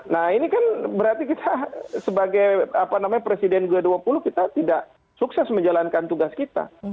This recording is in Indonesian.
nah ini kan berarti kita sebagai presiden g dua puluh kita tidak sukses menjalankan tugas kita